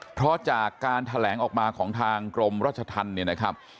เพราะจากการแถลงออกมาของทางกรมราชธรรมเนี่ยนะครับ